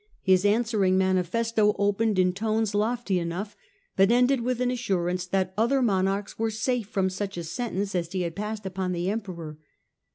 His answering manifesto opened in tones lofty enough, but ended with an assurance that other monarchs were safe from such a sentence as he had passed upon the Emperor.